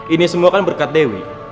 ini semua kan berkat dewi